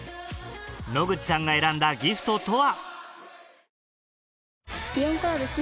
野口さんが選んだギフトとは？